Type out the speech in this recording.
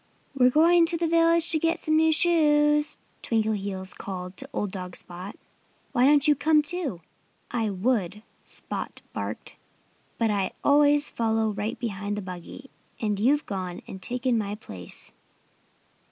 "We're going to the village to get some new shoes," Twinkleheels called to old dog Spot. "Why don't you come, too?" "I would," Spot barked, "but I always follow right behind the buggy; and you've gone and taken my place."